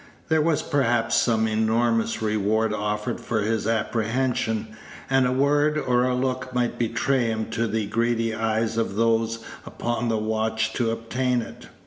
There was perhaps some enormous reward offered for his apprehension, and a word or a look might betray him to the greedy eyes of those upon the watch to obtain it.